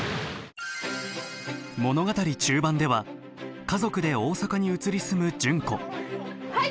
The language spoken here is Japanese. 物語中盤では家族で大阪に移り住む純子はい！